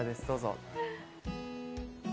どうぞ。